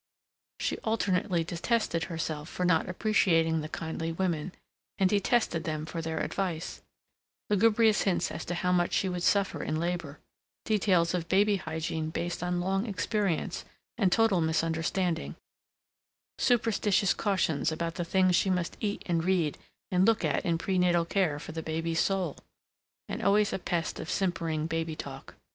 She alternately detested herself for not appreciating the kindly women, and detested them for their advice: lugubrious hints as to how much she would suffer in labor, details of baby hygiene based on long experience and total misunderstanding, superstitious cautions about the things she must eat and read and look at in prenatal care for the baby's soul, and always a pest of simpering baby talk.